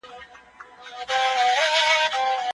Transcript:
که زه ښوونکی سم نو ماشومان به کتاب ته وهڅوم.